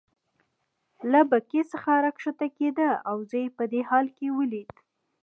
له بګۍ څخه راکښته کېده او زه یې په دې حال کې ولید.